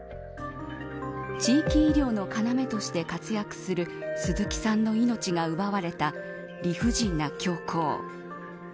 地域医療の要として活躍する鈴木さんの命が奪われた、理不尽な凶行。